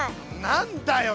何だよ。